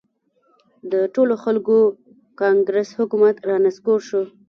د ټولو خلکو کانګرس حکومت را نسکور شو.